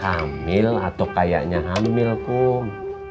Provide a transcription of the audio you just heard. hamil atau kayaknya hamil kuh